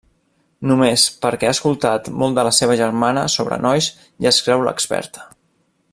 Només perquè ha escoltat molt de la seva germana sobre nois ja es creu l'experta.